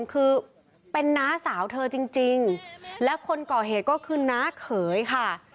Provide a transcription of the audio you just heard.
คือเป็นน้าสาวเธอจริงและคนก่อเหตุก็คือน้าเขยค่ะ